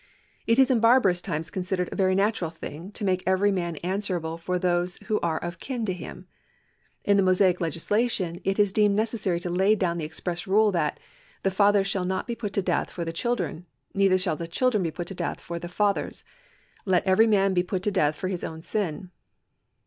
It is in barbarous times considered a very natural thing to make every man answerable for those who are of kin to him. In the Mosaic legislation it is deemed necessary to lay down the express rule that " The fathers shall not be put to death for the children ; neither shall the children be put to death for the fathers ; every man shall be put to death for his own sin."